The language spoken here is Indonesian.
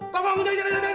jangan jangan jangan